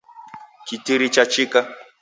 Kitiri chachika.